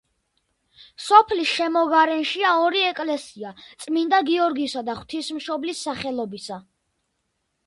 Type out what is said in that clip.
სოფლის შემოგარენშია ორი ეკლესია: წმინდა გიორგისა და ღვთისმშობლის სახელობისა.